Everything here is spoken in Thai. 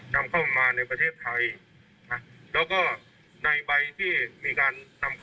นำเข้ามาในประเทศไทยในใบที่นำเข้ามา